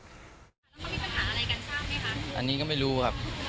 แล้วมันมีปัญหาอะไรกันทราบไหมคะอันนี้ก็ไม่รู้ครับ